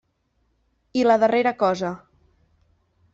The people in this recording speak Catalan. I la darrera cosa.